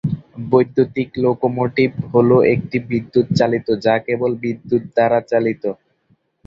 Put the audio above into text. বৈদ্যুতিক লোকোমোটিভ হ'ল একটি বিদ্যুৎ চালিত যা কেবল বিদ্যুত দ্বারা চালিত।